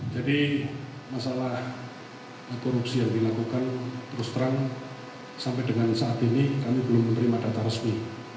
jadi masalah korupsi yang dilakukan terus terang sampai dengan saat ini kami belum menerima data resmi